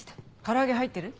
唐揚げ入ってる？